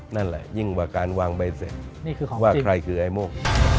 นั่นแหละยิ่งกว่าการวางใบเสร็จว่าใครคือไอ้โม่ง